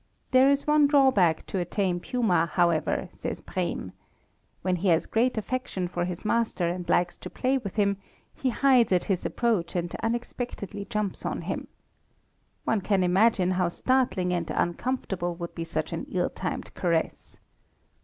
There is one drawback to a tame puma, however, says Brehm. When he has great affection for his master and likes to play with him, he hides at his approach and unexpectedly jumps on him. One can imagine how startling and uncomfortable would be such an ill timed caress.